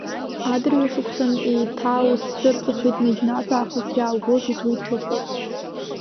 Адырҩашықәсан еиҭааузцәырҵыхит наџьнатә аахыс иааугоз, угәы иҭыхоз.